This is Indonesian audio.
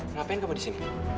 ngapain kamu disini